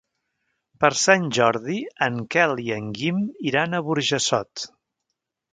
Per Sant Jordi en Quel i en Guim iran a Burjassot.